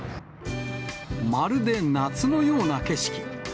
まるで夏のような景色。